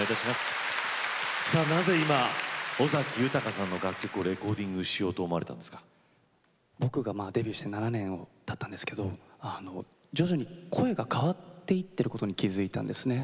なぜ今、尾崎豊さんの楽曲をレコーディングしようと僕がデビューして７年たったんですけれども徐々に声が変わっていってることに気が付いたんですね。